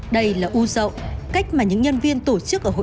đây là ưu dậu cách mà những nhân viên tổ chức ở hội thảo sức khỏe gọi